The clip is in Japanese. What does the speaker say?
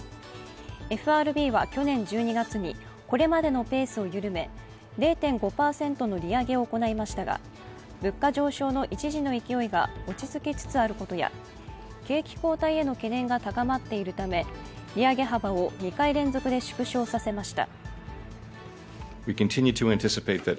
ＦＲＢは去年１２月にこれまでのペースを緩め、０．５％の利上げを行いましたが物価上昇の一時の勢いが落ち着きつつあることや景気後退への懸念が高まっているため利上げ幅を２回連続で縮小させました。